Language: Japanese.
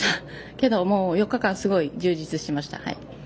けど、４日間すごい充実してました。